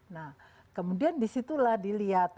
nah kemudian disitulah dilihat